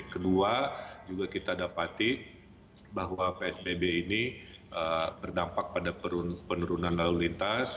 kedua juga kita dapati bahwa psbb ini berdampak pada penurunan lalu lintas